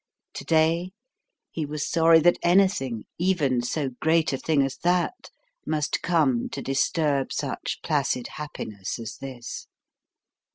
To day, he was sorry that anything even so great a thing as that must come to disturb such placid happiness as this.